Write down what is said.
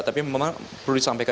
tapi memang perlu disampaikan